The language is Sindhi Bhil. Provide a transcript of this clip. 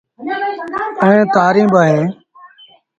ائيٚݩ تآريٚݩ بااوهيݩ۔